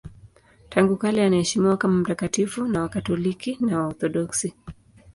Tangu kale anaheshimiwa kama mtakatifu na Wakatoliki na Waorthodoksi.